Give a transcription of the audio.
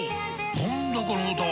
何だこの歌は！